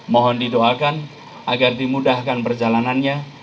mohon didoakan agar dimudahkan perjalanannya